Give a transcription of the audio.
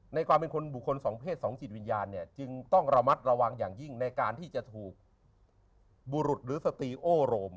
ความเป็นคนบุคคลสองเพศสองจิตวิญญาณเนี่ยจึงต้องระมัดระวังอย่างยิ่งในการที่จะถูกบุรุษหรือสตีโอโรม